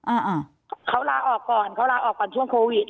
อ่าเขาลาออกก่อนเขาลาออกก่อนช่วงโควิด